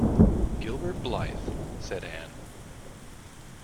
“Gilbert Blythe?” said Anne.